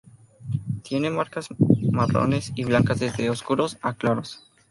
Tienen marcas marrones y blancas desde oscuros a claros.